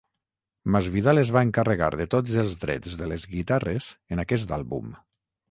Masvidal es va encarregar de tots els drets de les guitarres en aquest àlbum.